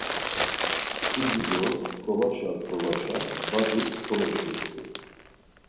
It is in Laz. İdu do t̆ǩobaşa t̆ǩobaşa badis komeşuxtu.